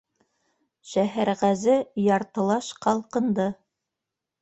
Шәһәрғәзе яртылаш ҡалҡынды.